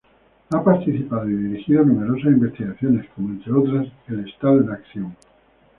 Ha participado y dirigido numerosas investigaciones como, entre otras: "El estado en acción.